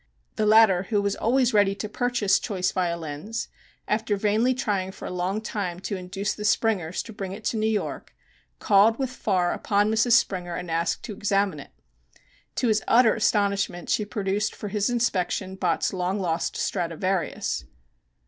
The latter, who was always ready to purchase choice violins, after vainly trying for a long time to induce the Springers to bring it to New York, called with Farr upon Mrs. Springer and asked to examine it. To his utter astonishment she produced for his inspection Bott's long lost Stradivarius.